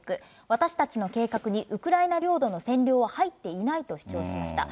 私たちの計画にウクライナ領土の占領は入っていないと主張しました。